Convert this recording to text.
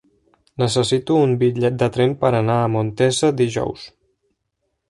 Necessito un bitllet de tren per anar a Montesa dijous.